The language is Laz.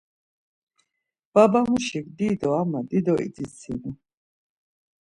Babamuşik dido ama dido idzitsinu.